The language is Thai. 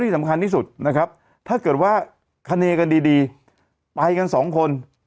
สำคัญที่สุดนะครับถ้าเกิดว่าคเนกันดีไปกันสองคน